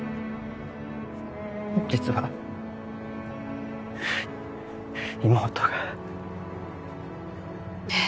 実は妹がえっ？